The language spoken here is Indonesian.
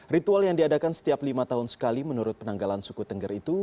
ritual yang diadakan setiap lima tahun sekali menurut penanggalan suku tengger itu